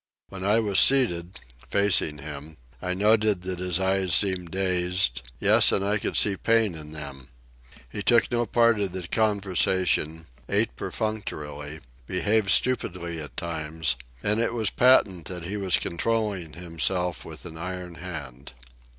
When I was seated, facing him, I noted that his eyes seemed dazed; yes, and I could see pain in them. He took no part in the conversation, ate perfunctorily, behaved stupidly at times, and it was patent that he was controlling himself with an iron hand.